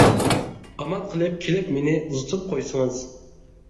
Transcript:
ئامال قىلىپ كېلىپ مېنى ئۇزىتىپ قويسىڭىز.